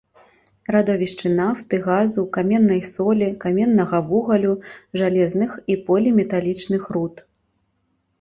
Радовішчы нафты, газу, каменнай солі, каменнага вугалю, жалезных і поліметалічных руд.